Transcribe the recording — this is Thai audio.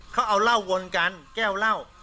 เขาเอาเหล้าวนกันแก้วเหล้า